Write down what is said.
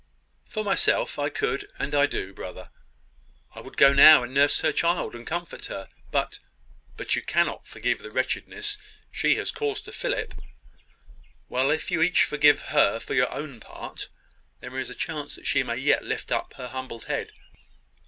"For myself I could and I do, brother. I would go now and nurse her child, and comfort her. But " "But you cannot forgive the wretchedness she has caused to Philip. Well, if you each forgive her for your own part, there is a chance that she may yet lift up her humbled head."